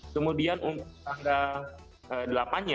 kemudian untuk tanggal delapan